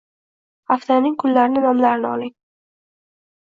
Haftaning kunlarini nomlarini oling